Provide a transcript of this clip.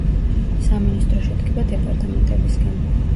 სამინისტრო შედგება დეპარტამენტებისგან.